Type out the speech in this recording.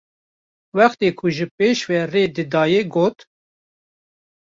Wextê ku ji pêş ve rê didayê got: